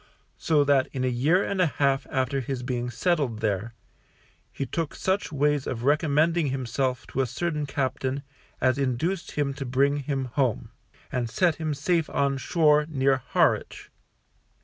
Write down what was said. So that in a year and a half after ms being settled there, he took such ways of recommending himself to a certain captain as induced him to bring him home, and set him safe on shore near Harwich.